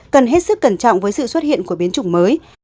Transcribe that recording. cần hết sức cẩn trọng với sự xuất hiện của biến chủng mới